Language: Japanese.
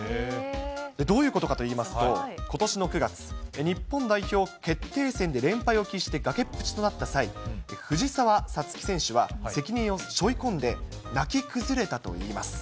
どういうことかといいますと、ことしの９月、日本代表決定戦で連敗を喫して崖っぷちとなった際、藤沢五月選手は責任をしょい込んで泣き崩れたといいます。